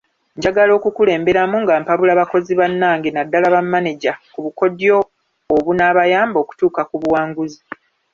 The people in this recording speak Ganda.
Njagala okukulemberamu nga mpabula bakozi bannange naddala bamaneja mu bukodyo obunaabayamba okutuuka ku buwanguzi.